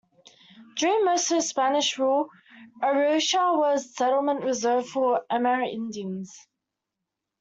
During most of the Spanish rule, Arouca was a settlement reserved for Amerindians.